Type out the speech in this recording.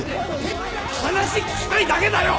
話聞きたいだけだよ！